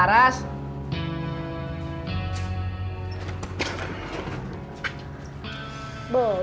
kalah semua orang lagi lah